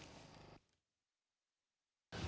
เพื่อไม่ต้องการให้เป็นการเสียเวลาทุกท่านนะครับ